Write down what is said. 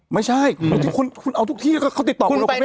ไม่ใช่คุณเอาทุกที่เขาติดต่อคุณแล้วคุณไม่ไป